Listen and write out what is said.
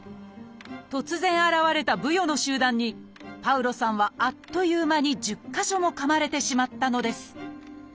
突然現れたブヨの集団にパウロさんはあっという間に１０か所もかまれてしまったのです。